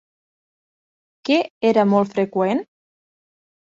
Què era molt freqüent?